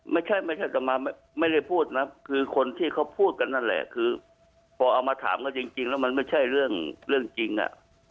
ไม่ใช่ไม่ใช่พูดนะคือคนที่เขาพูดกันนั่นแหละคือพอเอามาถามกันจริงแล้วมันไม่ใช่เรื่องเรื่องจริงอ่ะ